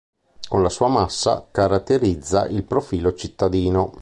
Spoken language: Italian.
Con la sua massa caratterizza il profilo cittadino.